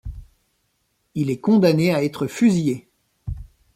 Il est condamné à être fusillé.